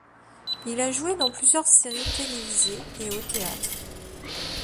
Il a joué dans plusieurs séries télévisées et au théâtre.